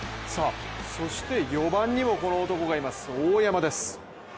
そして４番にもこの男がいます大山です。